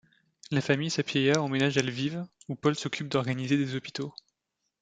La famille Sapieha emménage à Lviv, où Paul s'occupe d'organiser des hôpitaux.